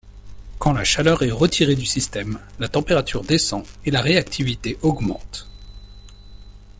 Quand la chaleur est retirée du système, la température descend et la réactivité augmente.